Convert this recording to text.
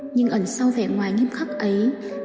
nhưng ẩn sau vẻ ngoài nghiêm khắc ấy